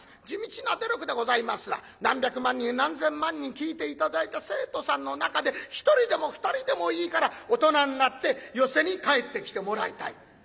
地道な努力でございますが何百万人何千万人聴いて頂いた生徒さんの中で１人でも２人でもいいから大人になって寄席に帰ってきてもらいたい。